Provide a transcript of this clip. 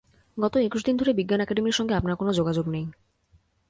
গত একুশ দিন ধরে বিজ্ঞান একাডেমির সঙ্গে আপনার কোনো যোগাযোগ নেই।